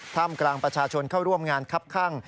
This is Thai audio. ท่ามกลางประชาชนเข้าร่วมงานครับข้าง